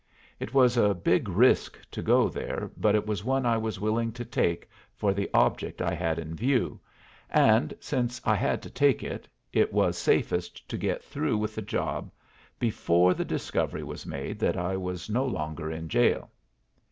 It was a big risk to go there, but it was one I was willing to take for the object I had in view, and, since I had to take it, it was safest to get through with the job before the discovery was made that I was no longer in jail.